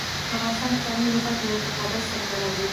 په افغانستان کې پامیر د خلکو له اعتقاداتو سره تړاو لري.